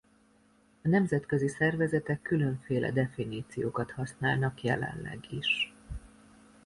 A nemzetközi szervezetek különféle definíciókat használnak jelenleg is.